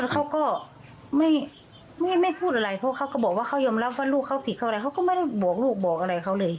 เขาก็ไม่พูดอะไรเพราะเขาก็บอกว่าเขายอมรับว่าลูกเขาผิดเขาอะไรเขาก็ไม่ได้บอกลูกบอกอะไรเขาเลย